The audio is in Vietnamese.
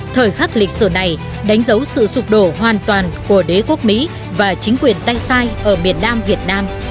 thời khắc lịch sử này đánh dấu sự sụp đổ hoàn toàn của đế quốc mỹ và chính quyền tay sai ở miền nam việt nam